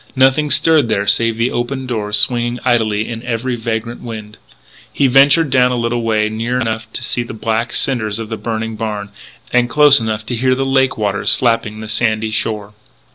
Nothing stirred there save the open doors swinging idly in every vagrant wind. He ventured down a little way near enough to see the black cinders of the burned barn, and close enough to hear the lake waters slapping the sandy shore.